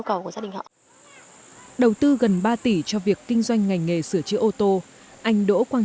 cầu của gia đình họ đầu tư gần ba tỷ cho việc kinh doanh ngành nghề sửa chữa ô tô anh đỗ quang